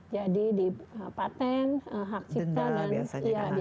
jadi di patent hak cipta denda